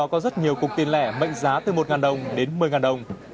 một tiền lẻ mệnh giá từ một đồng đến một mươi đồng